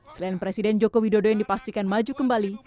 selain presiden joko widodo yang dipastikan maju kembali